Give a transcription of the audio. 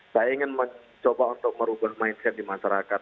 saya ingin mencoba untuk merubah mindset di masyarakat